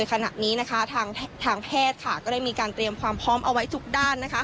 ขณะนี้ทางแพทย์ก็ได้มีการเตรียมความพร้อมเอาไว้ทุกด้าน